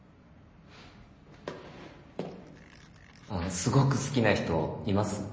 すごく好きな人います？